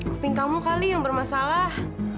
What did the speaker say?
keping kamu kali yang bermasalah